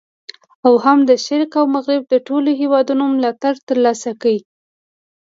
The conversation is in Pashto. او هم د شرق او غرب د ټولو هیوادونو ملاتړ تر لاسه کړ.